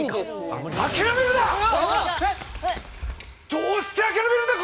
どうして諦めるんだ！